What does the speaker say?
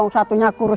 satu nya kurus